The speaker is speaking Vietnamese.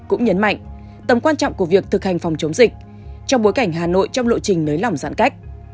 cũng nhấn mạnh tầm quan trọng của việc thực hành phòng chống dịch trong bối cảnh hà nội trong lộ trình nới lỏng giãn cách